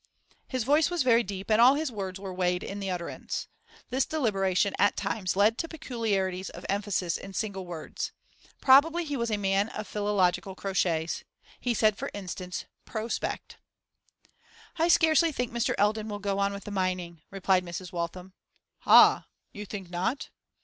His voice was very deep, and all his words were weighed in the utterance. This deliberation at times led to peculiarities of emphasis in single words. Probably he was a man of philological crotchets; he said, for instance, 'pro spect.' 'I scarcely think Mr. Eldon will go on with the mining,' replied Mrs. Waltham. 'Ah! you think not?